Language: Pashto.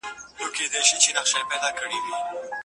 آیا فارابي یو ریښتینی عالم و؟